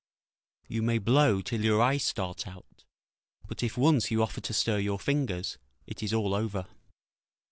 ["You may blow till your eyes start out; but if once you offer to stir your fingers, it is all over."